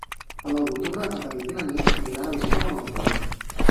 El nou d'octubre en David i na Nit aniran a visitar mon oncle.